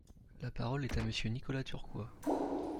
La parole est à Monsieur Nicolas Turquois.